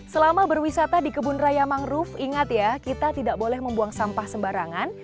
selama berwisata di kebun raya mangrove ingat ya kita tidak boleh membuang sampah sembarangan